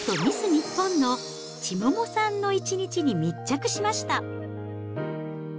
日本の千桃さんの一日に密着しました。